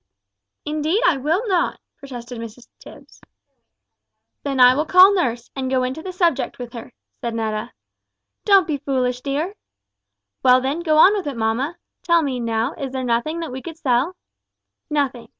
"Indeed I will not," protested Mrs Tipps. "Then I will call nurse, and go into the subject with her," said Netta. "Don't be foolish, dear." "Well, then, go on with it, mamma. Tell me, now, is there nothing that we could sell?" "Nothing.